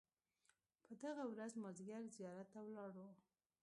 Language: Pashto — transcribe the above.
په دغه ورځ مازیګر زیارت ته ولاړو.